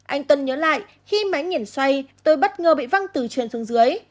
anh tuân nhớ lại khi máy nghiền xoay tôi bất ngờ bị văng tử truyền xuống dưới